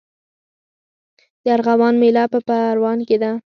د ارغوان میله په پروان کې ده.